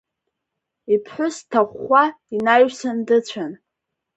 Иԥҳәыс дҭахәхәа инаҩсан дыцәан.